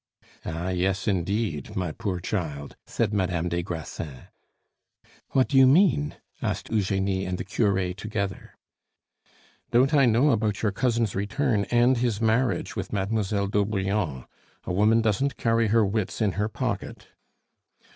"Ah, yes, indeed, my poor child!" said Madame des Grassins. "What do you mean?" asked Eugenie and the cure together. "Don't I know about your cousin's return, and his marriage with Mademoiselle d'Aubrion? A woman doesn't carry her wits in her pocket."